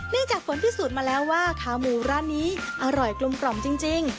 เนื่องจากคนพิสูจน์มาแล้วว่าขาหมูร้านนี้อร่อยกลมกล่อมจริง